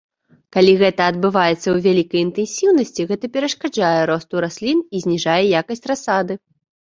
Калі гэта адбываецца ў вялікай інтэнсіўнасці, гэта перашкаджае росту раслін і зніжае якасць расады.